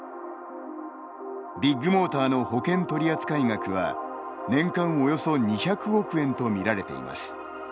ビッグモーターの保険取扱額は年間およそ２００億円と見られています。